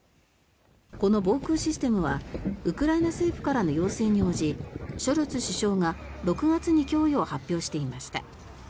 この防空システムはウクライナ政府からの要請に応じショルツ首相が６月に供与を発表していました。